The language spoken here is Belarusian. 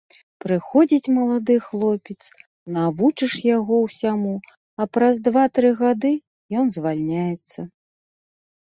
Прыходзіць малады хлопец, навучыш яго ўсяму, а праз два-тры гады ён звальняецца.